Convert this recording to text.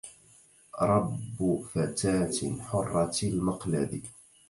رب فتاة حرة المقلد